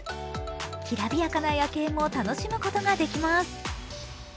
きらびやかな夜景も楽しむことができます。